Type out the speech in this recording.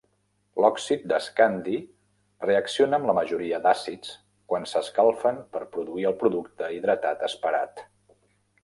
L'oxid d'escandi reacciona amb la majoria d'àcids quan s'escalfen per produir el producte hidratat esperat.